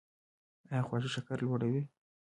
ایا خواږه شکر لوړوي؟